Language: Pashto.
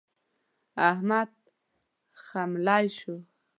احمد خملۍ شو.